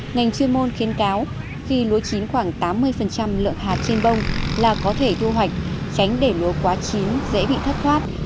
ngành chuyên môn khuyến cáo khi lúa chín khoảng tám mươi lượng hạt trên bông là có thể thu hoạch tránh để lúa quá chín dễ bị thất thoát